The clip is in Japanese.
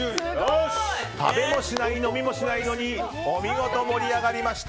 食べもしない、飲みもしないのにお見事、盛り上がりました！